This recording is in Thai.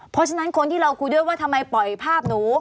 เพราะฉะนั้นคนที่เราคุยด้วยว่าทำไมปล่อยภาพหนู